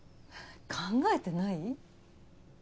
考えてない？